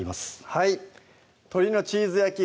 はい「鶏のチーズ焼き」